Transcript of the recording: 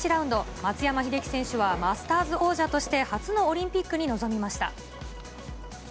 松山英樹選手はマスターズ王者として初のオリンピックに臨みました。